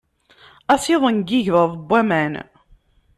Asiḍen n yigḍaḍ n waman.